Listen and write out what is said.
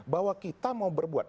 bahwa kita mau berbuat